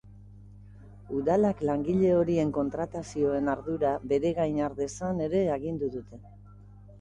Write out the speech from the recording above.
Udalak langile horien kontratazioen ardura beregain har dezan ere agindu dute.